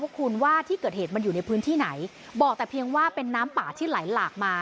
คุณว่าที่เกิดเหตุมันอยู่ในพื้นที่ไหนบอกแต่เพียงว่าเป็นน้ำป่าที่ไหลหลากมา